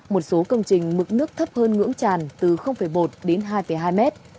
một số công trình mực nước thấp hơn ngưỡng tràn từ một đến hai hai mét